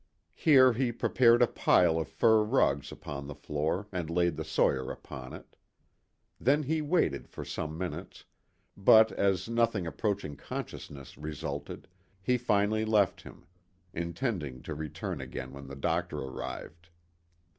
Here he prepared a pile of fur rugs upon the floor and laid the sawyer upon it. Then he waited for some minutes, but, as nothing approaching consciousness resulted, he finally left him, intending to return again when the doctor arrived.